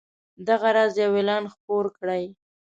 دغه راز یو اعلان خپور کړئ.